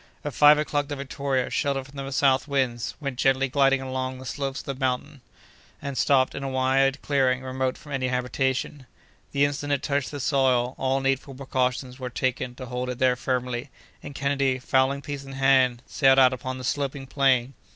At five o'clock the Victoria, sheltered from the south winds, went gently gliding along the slopes of the mountain, and stopped in a wide clearing remote from any habitation. The instant it touched the soil, all needful precautions were taken to hold it there firmly; and Kennedy, fowling piece in hand, sallied out upon the sloping plain.